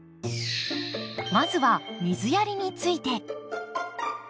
まずは水やりについて。